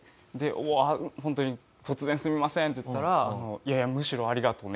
「うわホントに突然すみません」って言ったら「いやいやむしろありがとね」